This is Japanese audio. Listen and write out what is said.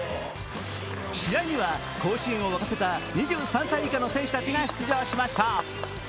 試合には甲子園を沸かせた２３歳以下の選手たちが出場しました。